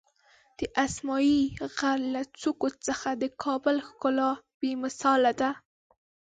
د اسمایي غر له څوکو څخه د کابل ښکلا بېمثاله ده.